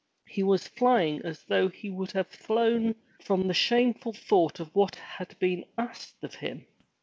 He was flying as though he would have flown from the shameful thought of what had been asked of him.